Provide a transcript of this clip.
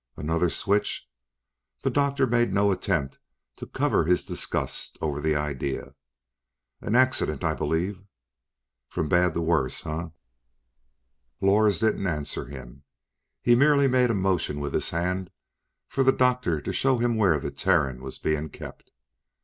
"Another switch?" The doctor made no attempt to cover his disgust over the idea. "An accident, I believe." "From bad to worse, huh?" Lors didn't answer him. He merely made a motion with his hand for the doctor to show him where the Terran was being kept.